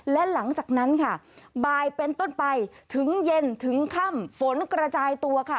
และหลังจากนั้นค่ะบ่ายเป็นต้นไปถึงเย็นถึงค่ำฝนกระจายตัวค่ะ